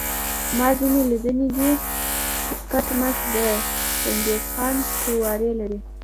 ما ځینې لیدلي دي چې کټ مټ د چنګیز خان قوارې لري.